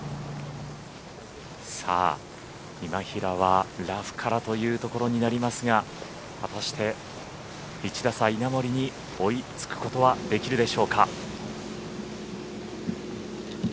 今平はラフからというところになりますが果たして１打差・稲森に追いつくことはできるでしょうか。